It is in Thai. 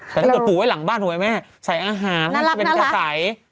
แต่ถ้าเกิดผูกไว้หลังบ้านถูกไหมแม่ใส่อาหารเป็นกระใส